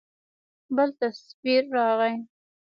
بل تصوير راغى.